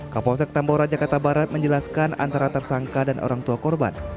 kapolsek tambora jakarta barat menjelaskan antara tersangka dan orang tua korban